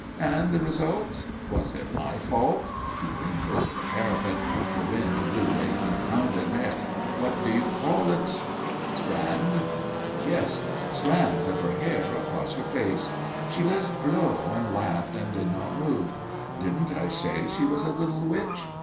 "And the result? Was it my fault? We leaned over the parapet. The wind blew a confounded mèche what do you call it ?" "Strand?" "Yes strand of her hair across her face. She let it blow and laughed and did not move. Didn't I say she was a little witch?